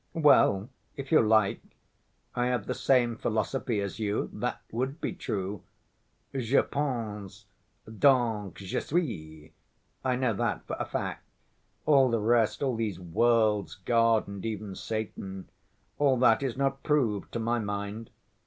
"Well, if you like, I have the same philosophy as you, that would be true. Je pense, donc je suis, I know that for a fact; all the rest, all these worlds, God and even Satan—all that is not proved, to my mind.